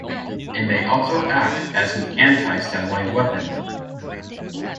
It may also act as an anti-satellite weapon.